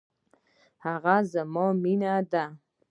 هغه زما مينه ده.